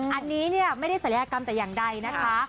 อันนี้เนี่ยไม่ได้ศัลยกรรมแต่อย่างใดนะคะ